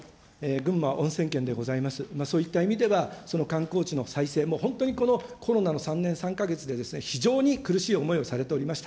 私、群馬温泉けんでございます、そういった意味ではその観光地の再生、もう本当にこのコロナの３年３か月で非常に苦しい思いをされておりました。